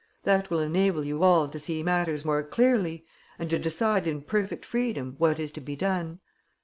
That will enable you all to see matters more clearly and to decide in perfect freedom what is to be done.